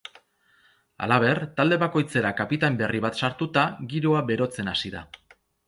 Halaber, talde bakoitzera kapitain berri bat sartuta, giroa berotzen hasi da.